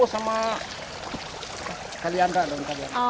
sama kalianra daun kalianra